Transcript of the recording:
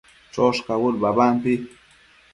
choshcabud babampi